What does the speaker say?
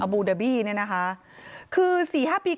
บูดาบี้เนี่ยนะคะคือ๔๕ปี